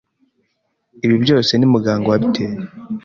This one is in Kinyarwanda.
ibi byose ni muganga wabiteye